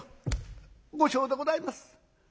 「後生でございます。